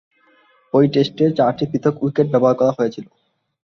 ঐ টেস্টে চারটি পৃথক উইকেট ব্যবহার করা হয়েছিল।